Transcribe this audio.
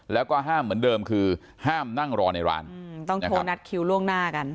แล้วก็ห้ามเหมือนเดิมคือห้ามนั่งรอในร้านต้องโทรนัดคิวล่วงหน้ากัน